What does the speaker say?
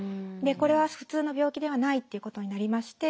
これは普通の病気ではないっていうことになりまして